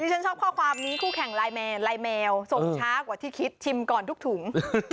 ฉันชอบข้อความนี้คู่แข่งลายแมวส่งช้ากว่าที่คิดชิมก่อนทุกถุง